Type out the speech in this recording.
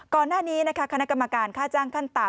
ก่อนหน้านี้นะคะคณะกรรมการค่าจ้างขั้นต่ำ